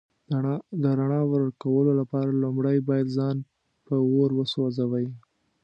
د رڼا ورکولو لپاره لومړی باید ځان په اور وسوځوئ.